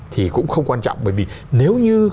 thì cũng không quan trọng bởi vì nếu như